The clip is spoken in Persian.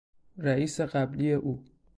رییس قبلی او